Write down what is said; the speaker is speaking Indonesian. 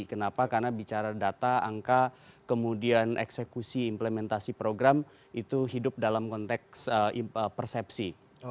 kenapa karena bicara data angka kemudian eksekusi implementasi program itu hidup dalam konteks persepsi